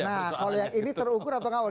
nah kalau yang ini terukur atau ngawal